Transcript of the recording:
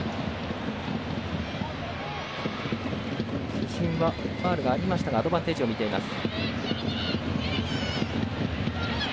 主審はファウルがありましたがアドバンテージをみています。